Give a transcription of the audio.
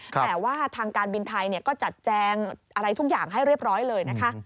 แต่ว่าทางการบินไทยก็จัดแจงอะไรทุกอย่างให้เรียบร้อยเลยนะคะ